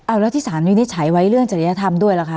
อ้าวแล้วที่๓มีชัยไว้เรื่องจริยธรรมด้วยล่ะคะ